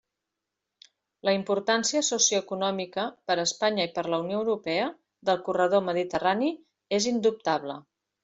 La importància socioeconòmica, per a Espanya i per a la Unió Europea, del corredor mediterrani és indubtable.